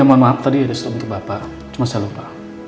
iya mohon maaf tadi ada surat untuk bapak cuma saya lupa